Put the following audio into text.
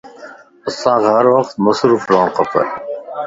انسانک ھر وقت مصروف رھڻ کپ